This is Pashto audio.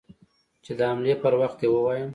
چې د حملې پر وخت يې ووايم.